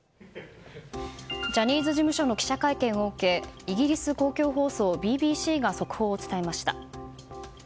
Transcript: ジャニーズ事務所の記者会見を受けイギリス公共放送ＢＢＣが速報を伝えました。